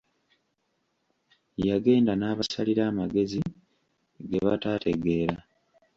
Yagenda n'abasalira amagezi ge bataategeera.